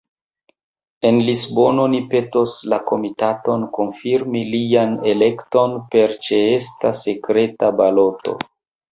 En Lisbono ni petos la Komitaton konfirmi lian elekton per ĉeesta sekreta baloto.